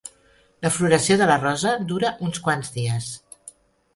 La floració de la rosa dura uns quants dies.